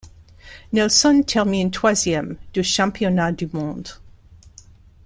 Nelson termine troisième du championnat du monde.